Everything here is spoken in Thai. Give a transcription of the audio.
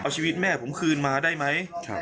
เอาชีวิตแม่ผมคืนมาได้ไหมผมขอไปแค่เนี้ย